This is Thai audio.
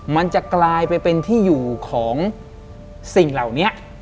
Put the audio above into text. มันจะกลายไปเป็นที่อยู่ของสิ่งเหล่านี้